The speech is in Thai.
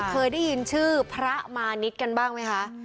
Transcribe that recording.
เคยได้ยินชื่อพระมานิดกันบ้างไหมคะ